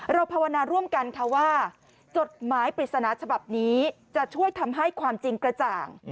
ภาวนาร่วมกันค่ะว่าจดหมายปริศนาฉบับนี้จะช่วยทำให้ความจริงกระจ่าง